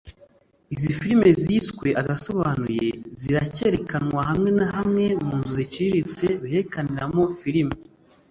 Izi filime ziswe Agasobanuye zirakerekanwa hamwe na hamwe mu nzu ziciriritse berekaniramo filime